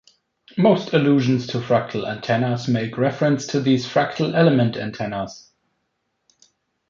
Most allusions to fractal antennas make reference to these "fractal element antennas".